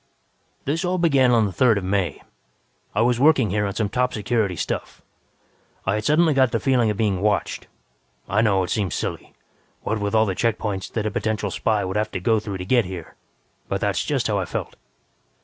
"This all began on the Third of May. I was working here on some top security stuff. I had suddenly got the feeling of being watched. I know it seems silly, what with all the check points that a potential spy would have to go through to get here, but that's just how I felt.